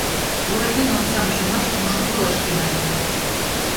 Буратино омсам чумаш, мушкындылаш тӱҥале: